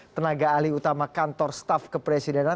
tenaga ali utama kantor staff kepresidenan